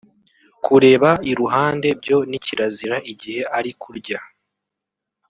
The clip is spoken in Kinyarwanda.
Kureba iruhande byo ni kirazira igihe ari kurya